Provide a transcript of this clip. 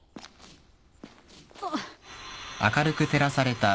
あっ。